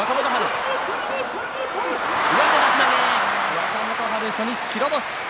若元春、初日白星。